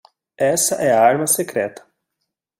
Essa é a arma secreta